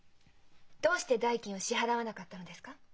どうして代金を支払わなかったのですか？